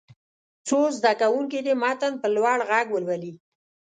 څو زده کوونکي دې متن په لوړ غږ ولولي.